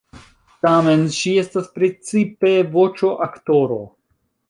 Tamen ŝi estas precipe voĉoaktoro.